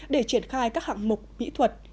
để triển khai các hạng mục mỹ thuật